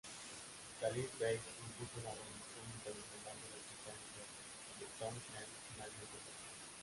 Halil Bey impuso la rendición incondicional de los británicos, que Townshend finalmente aceptó.